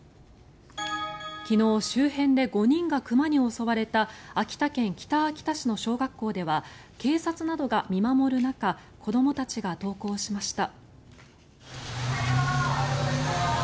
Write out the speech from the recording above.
昨日、周辺で５人が熊に襲われた秋田県北秋田市の小学校では警察などが見守る中子どもたちが登校しました。